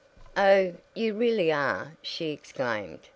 "Oh, you really are " she exclaimed.